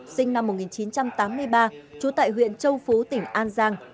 sinh năm một nghìn chín trăm tám mươi ba trú tại huyện châu phú tỉnh an giang